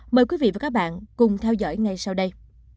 mời quý vị và các bạn cùng theo dõi ngay sau đây